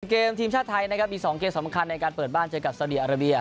เกมทีมชาติไทยนะครับมี๒เกมสำคัญในการเปิดบ้านเจอกับสาวดีอาราเบีย